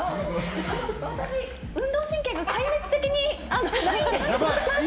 私、運動神経が壊滅的にないんですけど。